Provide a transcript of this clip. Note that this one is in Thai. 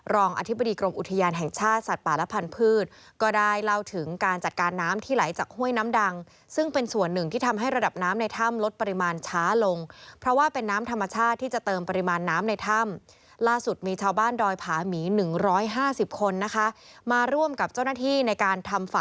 และก็รัศดรที่อยู่แถวนี้ส่วนใหญ่ก็ยืนยันว่า